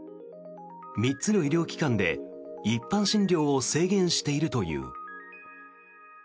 ３つの医療機関で一般診療を制限しているという。